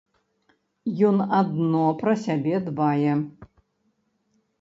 Ён адно пра сябе дбае.